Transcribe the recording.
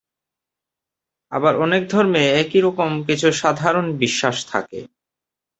আবার অনেক ধর্মে একই রকম কিছু সাধারণ বিশ্বাস থাকে।